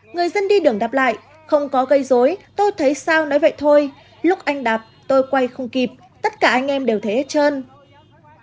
người dân đi đường đạp lại không có gây dối tôi thấy sao nói vậy thôi lúc anh đạp tôi quay không kịp tất cả anh em đều thấy trơn